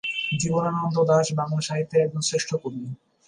জীবনানন্দ দাশ বাংলা সাহিত্যের একজন শ্রেষ্ঠ কবি।